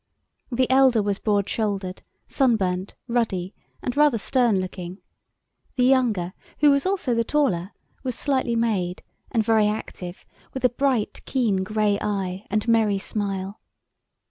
The elder was broad shouldered, sun burnt, ruddy, and rather stern looking; the younger, who was also the taller, was slightly made, and very active, with a bright keen grey eye, and merry smile.